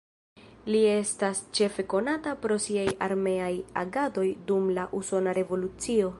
Li estas ĉefe konata pro siaj armeaj agadoj dum la Usona revolucio.